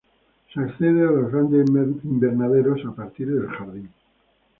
Se accede a los grandes invernaderos a partir del jardín.